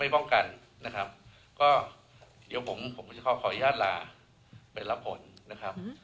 ผมจะขออย่าดลาไปรับผลนะครับ